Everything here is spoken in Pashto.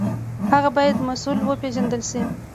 هغه باید مسوول وپېژندل شي.